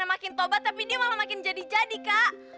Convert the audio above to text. makin tobat tapi dia malah makin jadi jadi kak